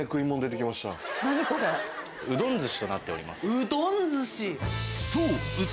うどん寿司！